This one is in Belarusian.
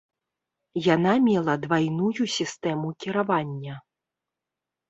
Яна мела двайную сістэму кіравання.